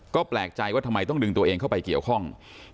ก็แปลกใจว่าทำไมต้องดึงตัวเองเข้าไปเกี่ยวข้อง